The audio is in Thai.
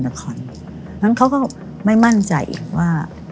เพราะฉะนั้นเขาก็ไม่มั่นใจว่า